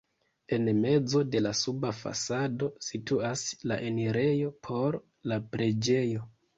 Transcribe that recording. En mezo de la suba fasado situas la enirejo por la preĝejo.